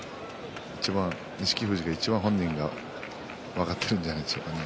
錦富士本人がいちばん分かってるんじゃないでしょうかね。